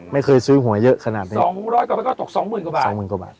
ไม่เคยซื้อหวยเยอะขนาดนี้สองร้อยกว่าก็ตกสองหมื่นกว่าบาท